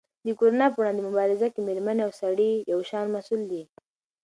د کرونا په وړاندې مبارزه کې مېرمنې او سړي یو شان مسؤل دي.